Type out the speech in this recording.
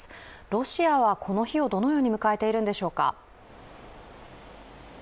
ロシアはこの日をどのように迎えているんでしょうか？